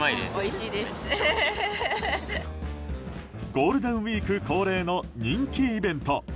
ゴールデンウィーク恒例の人気イベント。